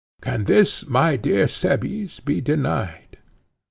Can this, my dear Cebes, be denied?